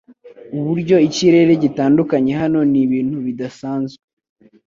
uburyo ikirere gitandukanye hano nibintu bidasanzwe